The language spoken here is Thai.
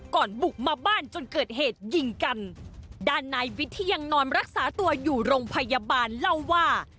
บุกมาบ้านจนเกิดเหตุยิงกันด้านนายวิทย์ที่ยังนอนรักษาตัวอยู่โรงพยาบาลเล่าว่า